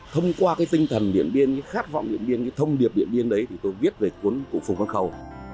tôi vốn rất kính trọng anh hùng điện biên trở thành một phần của điện biên trở thành một phần của phùng văn khầu